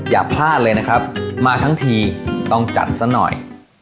อย่าพลาดเลยนะครับมาทั้งทีต้องจัดซะหน่อย